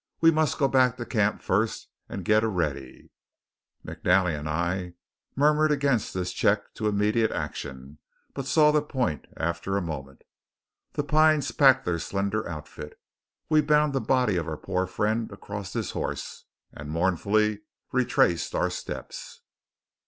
We must go back to camp first and get a ready." McNally and I murmured against this check to immediate action, but saw the point after a moment. The Pines packed their slender outfit; we bound the body of our poor friend across his horse, and mournfully retraced our steps.